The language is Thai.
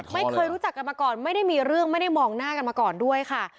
ไม่เคยรู้จักกันมาก่อนไม่ได้มีเรื่องไม่ได้มองหน้ากันมาก่อนด้วยค่ะ